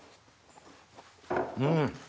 うん。